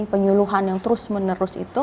penyuluhan yang terus menerus itu